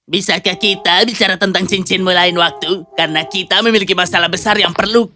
bisakah kita bicara tentang cincinmu lain waktu karena kita memiliki masalah besar yang perlu